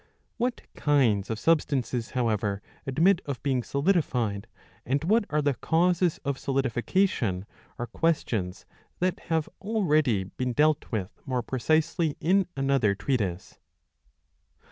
What kinds of substances however admit of being solidified, and what are the causes of solidification, are questions that have already been dealt with more precisely in another treatise.